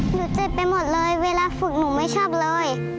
เจ็บไปหมดเลยเวลาฝึกหนูไม่ชอบเลย